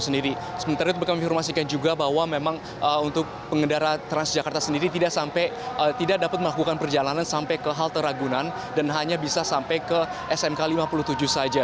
sebenarnya juga bahwa memang untuk pengendara transjakarta sendiri tidak sampai tidak dapat melakukan perjalanan sampai ke halteragunan dan hanya bisa sampai ke smk lima puluh tujuh saja